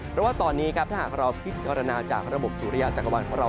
เพราะว่าตอนนี้ครับถ้าหากเราพิจารณาจากระบบสุริยะจักรวาลของเรา